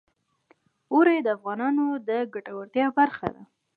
اوړي د افغانانو د ګټورتیا برخه ده.